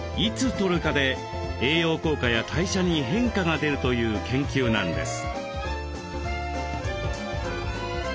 とるかで栄養効果や代謝に変化が出るという研究なんです。